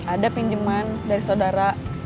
ada pinjeman dari saudara